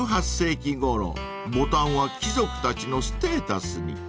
［１８世紀ごろボタンは貴族たちのステータスに］